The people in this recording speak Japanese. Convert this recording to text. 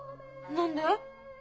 何で？